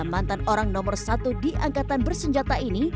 mantan orang nomor satu di angkatan bersenjata ini